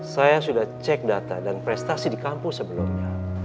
saya sudah cek data dan prestasi di kampus sebelumnya